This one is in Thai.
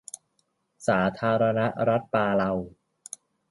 สาธารณรัฐปาเลา